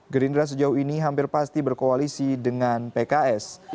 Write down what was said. gerindra sejauh ini hampir pasti berkoalisi dengan pks